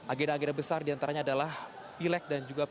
agenda agenda besar di antaranya adalah pilek dan juga pijak